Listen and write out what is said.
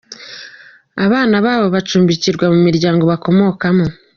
Abana babo bacumbikirwa mu miryango bakomokamo.